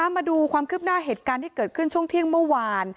มาดูความคืบหน้าเหตุการณ์ที่เกิดขึ้นช่วงเที่ยงเมื่อวาน